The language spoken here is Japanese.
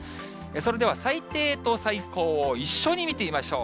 それでは最低と最高を一緒に見てみましょう。